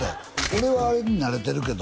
「俺はあれに慣れてるけど」